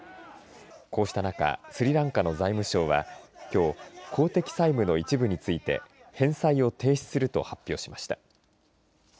こうした中スリランカの財務省はきょう、公的債務の一部について返済を停止すると発表しました。